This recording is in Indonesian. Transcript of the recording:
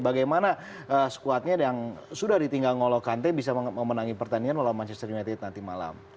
bagaimana squadnya yang sudah ditinggal ngolokante bisa memenangi pertandingan melawan manchester united nanti malam